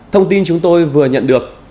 thông tin chúng tôi vừa nhận được